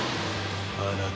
あなた。